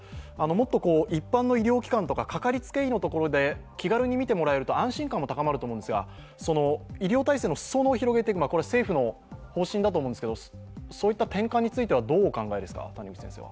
もっと一般の医療機関とかかかりつけ医のところで気軽に診ていただけると安心感も高まると思うんですが、医療体制の裾野を広げていくこれは政府の方針だと思うんですが、そういった転換についてはどうお考えですか。